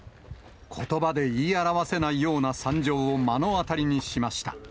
ことばで言い表せないような惨状を目の当たりにしました。